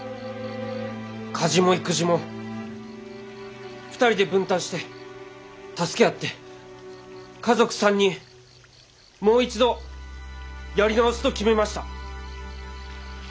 家事も育児も２人で分担して助け合って家族３人もう一度やり直すと決めました。